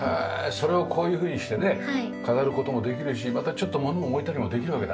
それをこういうふうにしてね飾る事もできるしまたちょっと物を置いたりもできるわけだ。